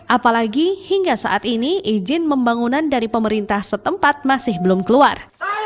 apalagi hingga saat ini izin pembangunan dari pemerintah setempat masih belum keluar